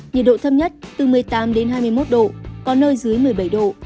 nhiệt độ thấp nhất từ một mươi tám đến hai mươi một độ có nơi dưới một mươi bảy độ